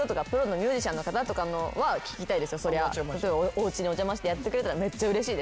おうちにお邪魔してやってくれたらめっちゃうれしい。